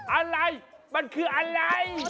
อะไรมันคืออะไร